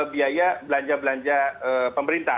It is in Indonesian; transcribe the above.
biaya belanja belanja pemerintah